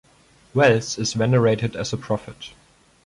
Wells is venerated as a prophet.